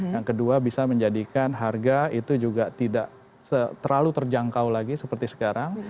yang kedua bisa menjadikan harga itu juga tidak terlalu terjangkau lagi seperti sekarang